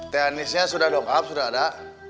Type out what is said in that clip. teh anisnya sudah dong kak sudah ada